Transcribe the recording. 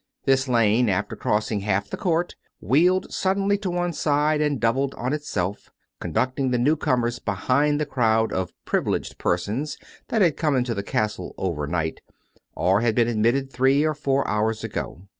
This lane, after crossing half the court, wheeled suddenly to one side and doubled on itself, conducting the new comers behind the crowd of privileged persons that had come into the castle overnight, or had been admitted three or four hours ago.